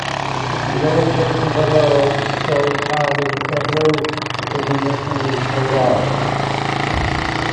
The illustration below shows how the tableau is initially laid out.